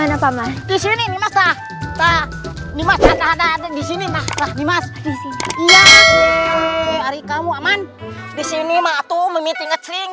di sini ada di sini nah di sini ya hari kamu aman di sini mata meminting ngecing